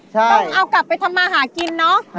ต้องเอากลับไปทำมาหากินเนอะ